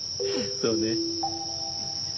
そうね。